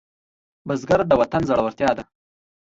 بزګر د وطن زړورتیا ده